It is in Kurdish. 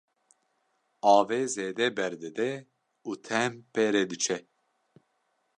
avê zêde ber dide û tehm pê re diçe.